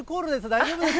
大丈夫です。